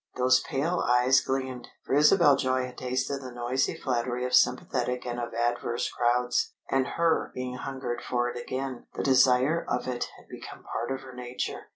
Those pale eyes gleamed, for Isabel Joy had tasted the noisy flattery of sympathetic and of adverse crowds, and her being hungered for it again; the desire of it had become part of her nature.